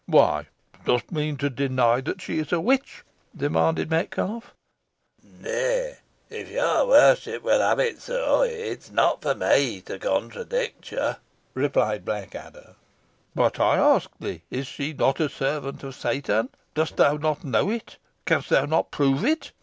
"Why, dost mean to deny that she is a witch?" demanded Metcalfe. "Nay, if your worship will have it so, it is not for me to contradict you," replied Blackadder. "But I ask thee is she not a servant of Satan? dost thou not know it? canst thou not prove it?"